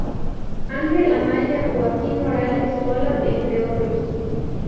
Ángel Anaya, Joaquín Morales Solá, entre otros.